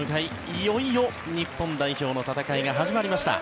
いよいよ日本代表の戦いが始まりました。